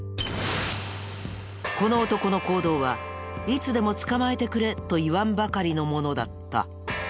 この男の行動はいつでも捕まえてくれと言わんばかりのものだった。